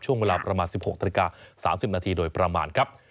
ช่วงเวลาประมาณ๑๖นาฬิกา๓๐นาทีโดยประมาณครับ